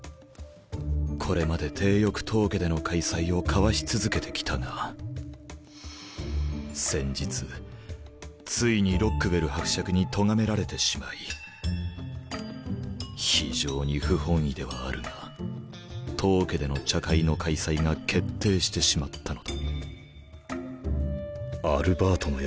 これまで体よく当家での開催をかわし続けてきたが先日ついにロックウェル伯爵にとがめられてしまい非常に不本意ではあるが当家での茶会の開催が決定してしまったのだ。